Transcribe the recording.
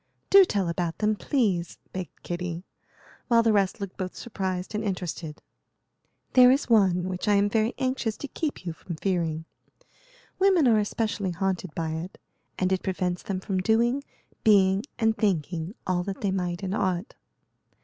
"Do tell about them, please," begged Kitty, while the rest looked both surprised and interested. "There is one which I am very anxious to keep you from fearing. Women are especially haunted by it, and it prevents them from doing, being, and thinking all that they might and ought.